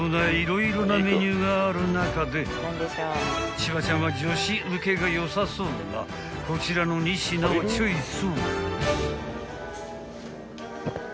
［千葉ちゃんは女子ウケが良さそうなこちらの２品をチョイス］